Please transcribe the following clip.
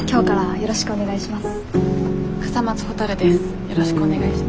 よろしくお願いします。